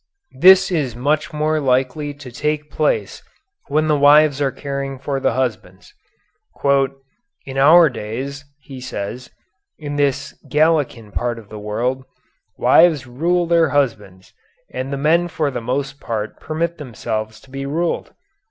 This is much more likely to take place when the wives are caring for the husbands. "In our days," he says, "in this Gallican part of the world, wives rule their husbands, and the men for the most part permit themselves to be ruled.